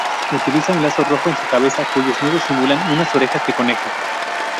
Utiliza un lazo rojo en su cabeza cuyos nudos simulan unas orejas de conejo.